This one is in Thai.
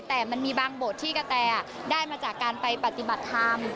แต่มันมีบางบทที่กะแตได้มาจากการไปปฏิบัติธรรม